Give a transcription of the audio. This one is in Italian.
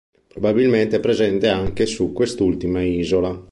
Probabilmente è presente anche su quest'ultima isola.